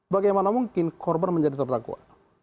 bagaimana mungkin korban menjadi terdakwa